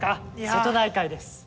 瀬戸内海です。